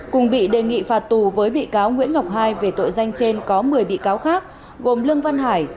cùng bị đề nghị phạt tù với bị cáo nguyễn ngọc hai về tội danh trên có một mươi bị cáo khác gồm lương văn hải